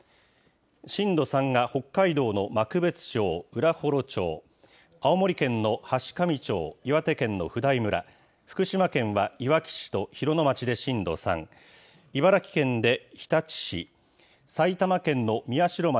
震度３が北海道の幕別町、浦幌町、青森県の階上町、岩手県の普代村、福島県はいわき市と広野町で震度３、茨城県で日立市、埼玉県の宮代町。